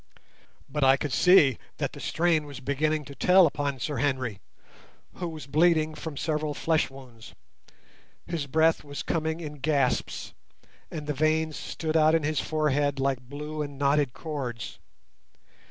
But I could see that the strain was beginning to tell upon Sir Henry, who was bleeding from several flesh wounds: his breath was coming in gasps, and the veins stood out on his forehead like blue and knotted cords.